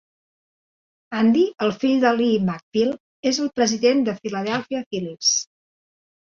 Andy, el fill de Lee MacPhail, és el president dels Philadelphia Phillies.